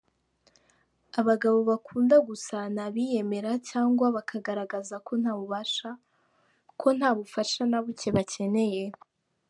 Abagabo bakunda gusa n'abiyemera cyangwa bakagaragaza ko nta bufasha na buke bakeneye.